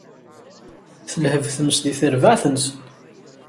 Telheb tmes di terbaɛt-nsen.